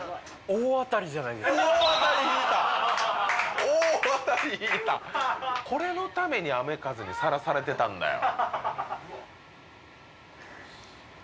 大当たり引いたこれのために雨風にさらされてたんだよ